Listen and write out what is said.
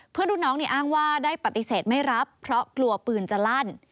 รุ่นน้องอ้างว่าได้ปฏิเสธไม่รับเพราะกลัวปืนจะลั่น